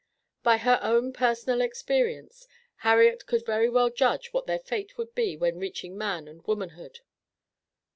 By her own personal experience, Harriet could very well judge what their fate would be when reaching man and womanhood.